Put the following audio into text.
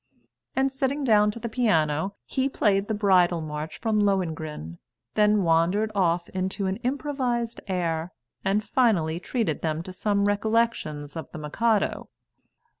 And sitting down to the piano, he played the bridal march from 'Lohengrin,' then wandered off into an improvised air, and finally treated them to some recollections of the 'Mikado.'